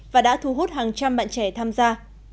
và đã thu hút hàng trăm bạn trẻ tham gia